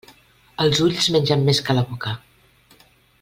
Els ulls mengen més que la boca.